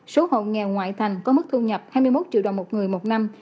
số hộ nghèo ngoại thành có mức thu nhập hai mươi một triệu đồng một người một năm